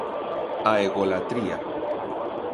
A egolatría.